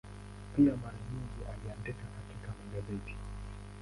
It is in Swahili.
Pia mara nyingi aliandika katika magazeti.